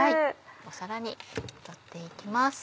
皿に取って行きます。